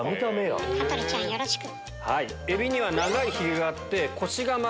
羽鳥ちゃんよろしく！